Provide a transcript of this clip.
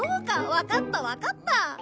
わかったわかった。